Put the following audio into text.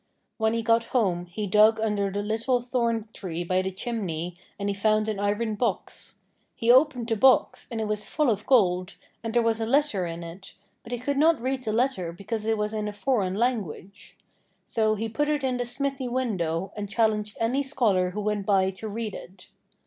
When he got home he dug under the little thorn tree by the chimney and he found an iron box. He opened the box and it was full of gold, and there was a letter in it, but he could not read the letter because it was in a foreign language. So he put it in the smithy window and challenged any scholar who went by to read it.